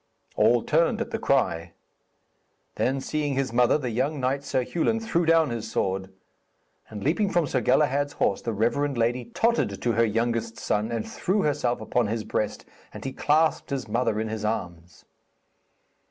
All turned at the cry. Then, seeing his mother, the young knight Sir Hewlin threw down his sword. And leaping from Sir Galahad's horse the reverend lady tottered to her youngest son and threw herself upon his breast, and he clasped his mother in his arms.